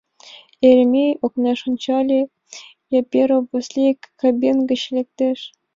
Еремей окнаш ончале — Яперов Васлий кабин гыч лектеш.